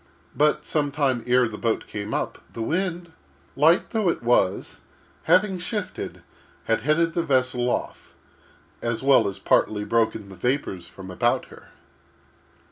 But, some time ere the boat came up, the wind, light though it was, having shifted, had headed the vessel off, as well as partly broken the vapors from about her.